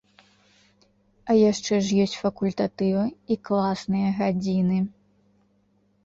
А яшчэ ж ёсць факультатывы і класныя гадзіны.